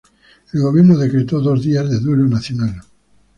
El gobierno decreto dos días de duelo nacional.